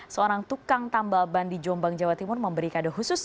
seorang tukang tambal ban di jombang jawa timur memberi kado khusus